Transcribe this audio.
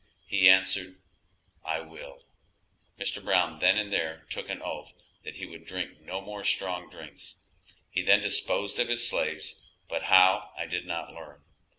He answered, "I will." Mr. Brown then and there took an oath that he would drink no more strong drinks. He then disposed of his slaves, but how I did not learn.